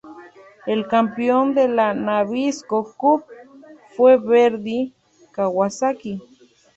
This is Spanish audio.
El campeón de la "Nabisco Cup" fue Verdy Kawasaki.